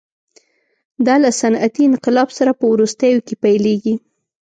دا له صنعتي انقلاب سره په وروستیو کې پیلېږي.